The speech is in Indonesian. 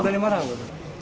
sudah lima tahun